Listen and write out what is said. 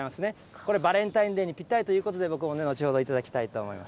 これ、バレンタインデーにぴったりということで、僕も後ほど頂きたいと思います。